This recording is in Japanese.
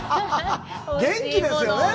元気ですよねぇ。